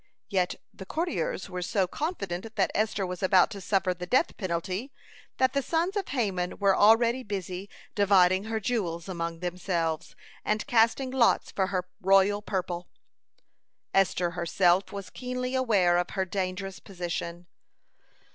Yet the courtiers were so confident that Esther was about to suffer the death penalty, that the sons of Haman were already busy dividing her jewels among themselves, and casting lots for her royal purple. Esther herself was keenly aware of her dangerous position.